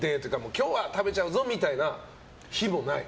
今日は食べちゃうぞみたいな日もない？